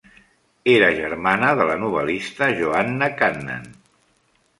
Era germana de la novel·lista Joanna Cannan.